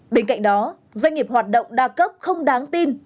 bên cạnh đó doanh nghiệp hoạt động đa cấp không đáng tin